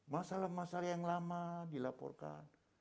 masalah masalah yang lama dilaporkan